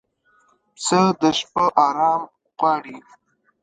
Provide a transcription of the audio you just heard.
پسه د شپه آرام غواړي.